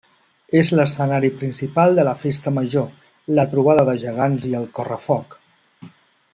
És l'escenari principal de la festa major, la trobada de gegants i el correfoc.